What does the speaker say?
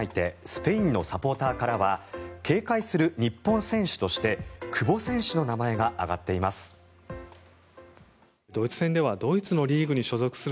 スペインのサポーターからは警戒する日本選手として久保選手の名前が挙がっています。